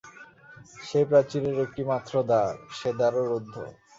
সে প্রাচীরের একটি মাত্র দ্বার, সে দ্বারও রুদ্ধ।